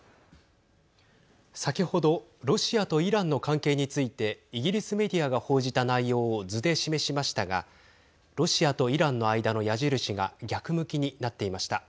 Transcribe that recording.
先ほどロシアとイランの関係についてイギリスメディアが報じた内容を図で示しましたがロシアとイランの間の矢印が逆向きになっていました。